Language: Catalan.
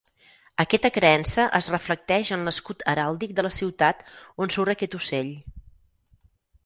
Aquesta creença es reflecteix en l'escut heràldic de la ciutat on surt aquest ocell.